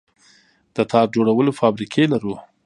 د تار جوړولو فابریکې لرو؟